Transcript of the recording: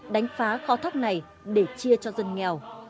đánh phá kho thóc này để chia cho dân nghèo